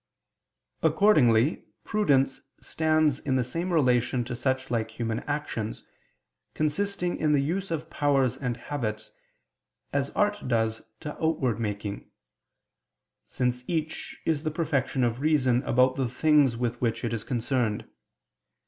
Accordingly prudence stands in the same relation to such like human actions, consisting in the use of powers and habits, as art does to outward making: since each is the perfect reason about the things with which it is concerned.